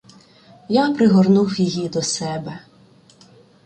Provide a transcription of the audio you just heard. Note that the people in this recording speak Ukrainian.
Я пригорнув її до себе.